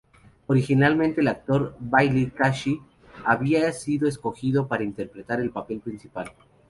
Originalmente el actor Bailey Chase había sido escogido para interpretar el papel principal.